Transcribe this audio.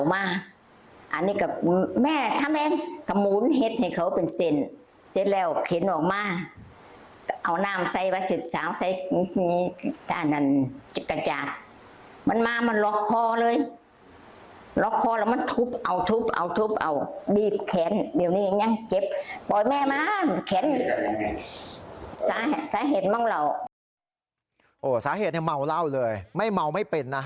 สาเหตุเนี่ยเมาเหล้าเลยไม่เมาไม่เป็นนะ